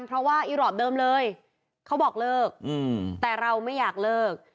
เพราะว่าอีรอปเดิมเลยเขาบอกเลิกแต่เราไม่อยากเลิก